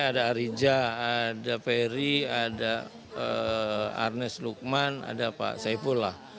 ada arija ada ferry ada arnes lukman ada pak saifullah